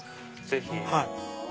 ぜひ。